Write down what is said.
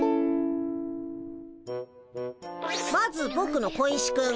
まずぼくの小石くん。